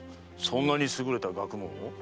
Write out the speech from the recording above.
そんなに優れた学問を？